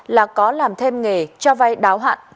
là có làm thêm nghề cho vai đáo hạn